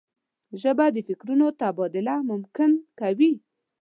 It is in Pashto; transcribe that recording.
ژبه د فکرونو تبادله ممکن کوي